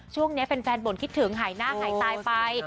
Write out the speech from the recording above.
ช่วงนี้แฟนบ่นคิดถึงหายหน้าหายตายไป